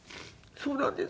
そうなんです。